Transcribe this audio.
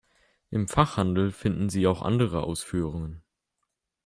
Im Fachhandel finden Sie auch andere Ausführungen.